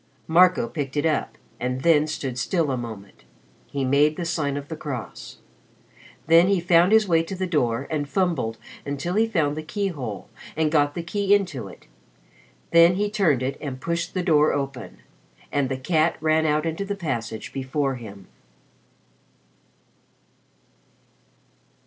Marco picked it up and then stood still a moment. He made the sign of the cross. Then he found his way to the door and fumbled until he found the keyhole and got the key into it. Then he turned it and pushed the door open and the cat ran out into the passage before him.